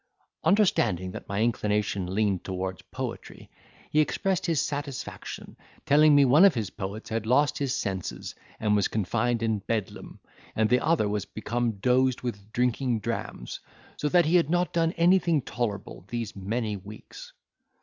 Understanding that my inclination leaned towards poetry, he expressed his satisfaction, telling me one of his poets had lost his senses, and was confined in Bedlam, and the other was become dozed with drinking drams; so that he had not done anything tolerable these many weeks.